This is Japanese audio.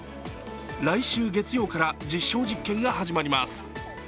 来週月曜から実証実験が始まります。